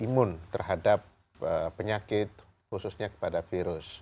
dan imun terhadap penyakit khususnya kepada virus